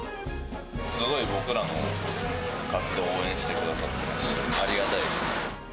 すごいぼくらの活動を応援してくださって、ありがたいですね。